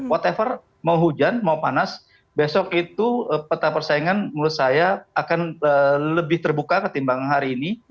what ever mau hujan mau panas besok itu peta persaingan menurut saya akan lebih terbuka ketimbang hari ini